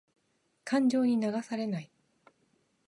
感情に流されない。